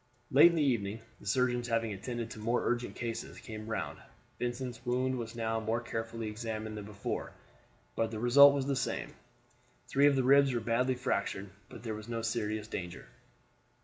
Late in the evening the surgeons, having attended to more urgent cases, came round. Vincent's wound was now more carefully examined than before, but the result was the same. Three of the ribs were badly fractured, but there was no serious danger.